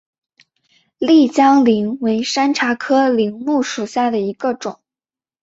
丽江柃为山茶科柃木属下的一个种。